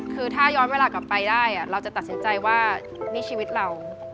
คือถ้าย้อนเวลากลับไปได้เราจะตัดสินใจว่านี่ชีวิตเรา